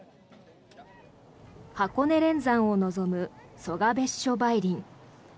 箱根連山を望む曽我別所梅林。